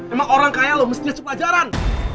emang orang kaya lo mesti ada pelajaran